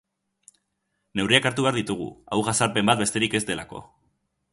Neurriak hartu behar ditugu, hau jazarpen bat besterik ez delako.